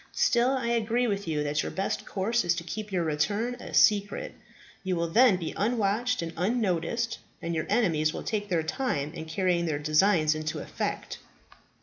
Still, I agree with you that your best course is to keep your return a secret. You will then be unwatched and unnoticed, and your enemies will take their time in carrying their designs into effect."